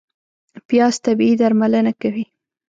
پیاز طبیعي درملنه کوي